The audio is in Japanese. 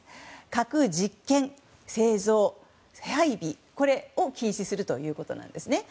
核実験、製造、配備を禁止するというものです。